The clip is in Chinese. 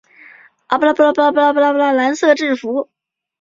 小说中前来参加三巫斗法大赛的波巴洞学生穿着用丝绸作的蓝色制服。